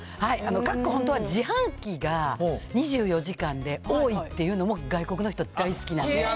かっこ、本当は自販機が２４時間で多いっていうのも外国の人、大好きなんで。